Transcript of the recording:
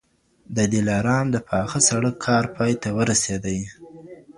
د دلارام د پاخه سړک کار پای ته ورسېدی.